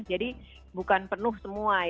jadi bukan penuh semua